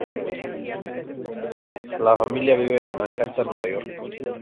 La familia vive en Manhattan, Nueva York.